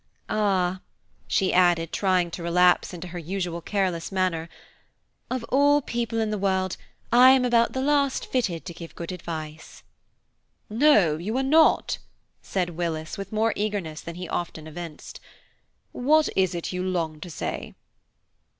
Ah," she added, trying to relapse into her usual careless manner, "of all people in the world, I am about the last fitted to give good advice." "No, you are not," said Willis, with more eagerness than he often evinced. "What is it you long to say?"